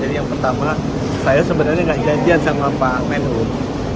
jadi yang pertama saya sebenarnya gak janjian sama pak menuh